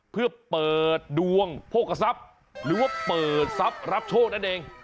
เพื่อเปิดดวงโภคทรัพย์หรือว่าเปิดทรัพย์รับโชคนั่นเอง